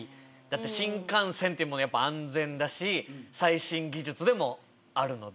新幹線っていうものが安全だし最新技術でもあるので。